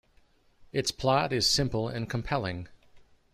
Its plot is simple and compelling.